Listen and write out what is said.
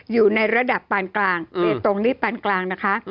อยู่ในระดับปานกลางตรงนี้ปานกลางนะคะ